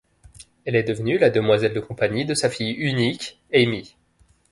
Elle est devenue la demoiselle de compagnie de sa fille unique, Amy.